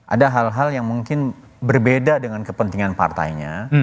ada hal hal yang mungkin berbeda dengan kepentingan partainya